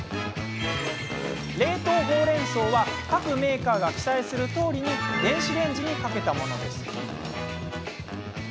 冷凍ほうれんそうは各メーカーが記載するとおりに電子レンジにかけたものです。